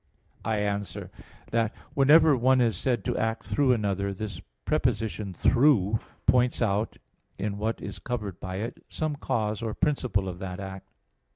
I answer that, Whenever one is said to act through another, this preposition "through" points out, in what is covered by it, some cause or principle of that act.